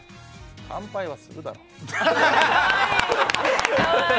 乾杯はするだろって。